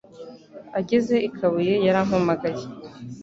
Ageze i kabuye, yarampamagaye.